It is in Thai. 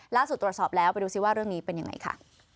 ตรวจสอบแล้วไปดูซิว่าเรื่องนี้เป็นยังไงค่ะ